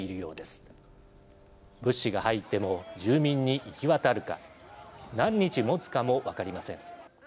物資が入っても住民に行き渡るか何日もつかも分かりません。